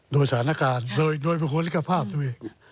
โดยสถานการณ์โดยบุคคลิกภาพด้วย